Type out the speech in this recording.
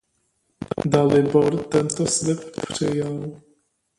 Dalibor tento slib přijal.